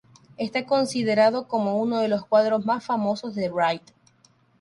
Está considerado uno de los cuadros más famosos de Wright.